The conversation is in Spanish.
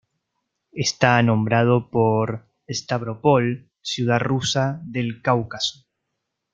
Está nombrado por Stávropol, ciudad rusa del Cáucaso.